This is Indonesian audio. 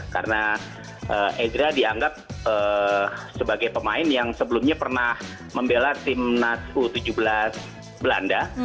karena edra dianggap sebagai pemain yang sebelumnya pernah membela tim natsuko tujuh belas belanda